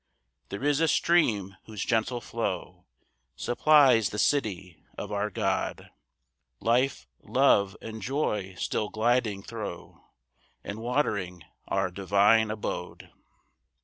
4 There is a stream whose gentle flow Supplies the city of our God; Life, love, and joy still gliding thro', And watering our divine abode.